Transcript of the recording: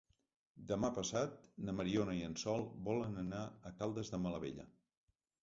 Demà passat na Mariona i en Sol volen anar a Caldes de Malavella.